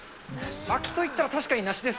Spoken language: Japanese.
秋といったら、確かに梨です